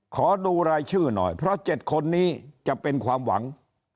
ขอดูรายชื่อหน่อยเพราะ๗คนนี้จะเป็นความหวัง